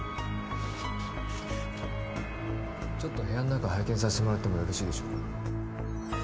ちょっと部屋の中を拝見させてもらってもよろしいでしょうか？